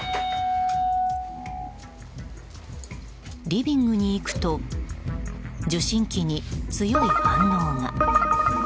リビングに行くと受信機に強い反応が。